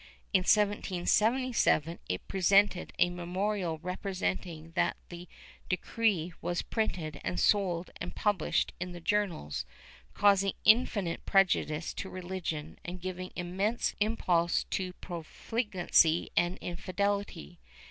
In 1777 it presented a memorial representing that the decree was printed and sold and published in the journals, causing infinite prejudice to religion and giving immense impulse to profligacy and infidelity.